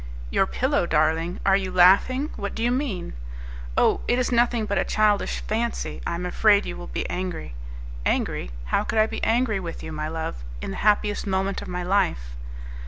"Your pillow, darling? You are laughing; what do you mean?" "Oh! it is nothing but a childish fancy; I am afraid you will be angry." "Angry! How could I be angry with you, my love, in the happiest moment of my life?"